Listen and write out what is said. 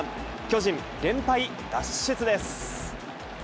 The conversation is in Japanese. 巨人、連敗脱出です。